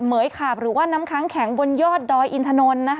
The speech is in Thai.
เหมือยขาบมาตั้งแต่วันเศร้าแล้วเธอ